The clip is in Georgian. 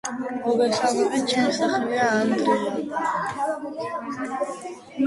მოგესალმებით ჩემი სახელია ანდრია